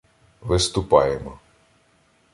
виступаємо.